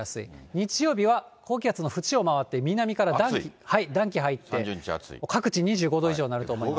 日曜日は高気圧のふちを回って南から暖気入って、各地２５度以上になると思います。